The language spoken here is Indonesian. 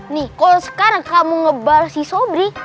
nih kalau sekarang kamu ngebar si sobri